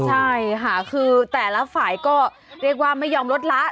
ใช่ค่ะคือแต่ละฝ่ายก็เรียกว่าไม่ยอมลดละ